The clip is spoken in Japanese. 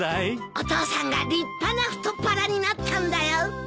お父さんが立派な太っ腹になったんだよ。